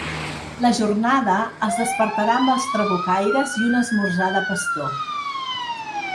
La jornada es despertarà amb els trabucaires i un esmorzar de pastor.